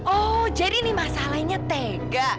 oh jadi ini masalahnya tega